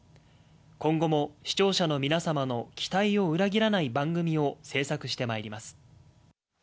今後も視聴者の皆様の期待を裏切らない番組を制作してまいります。